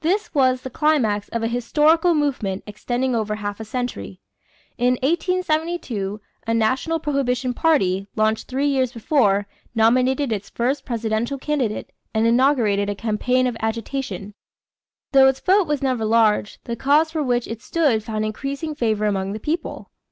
This was the climax of a historical movement extending over half a century. In 1872, a National Prohibition party, launched three years before, nominated its first presidential candidate and inaugurated a campaign of agitation. Though its vote was never large, the cause for which it stood found increasing favor among the people.